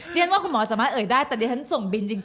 นี่ความคุณหมอสามารถเอ๋ยได้แต่เดี๋ยวฉันส่งบินจริง